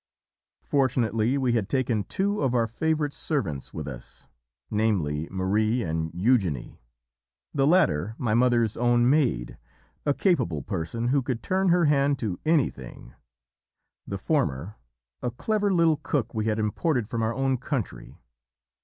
"Fortunately we had taken two of our favourite servants with us, namely, Marie and Eugenie the latter my mother's own maid, a capable person who could turn her hand to anything, the former a clever little cook we had imported from our own country.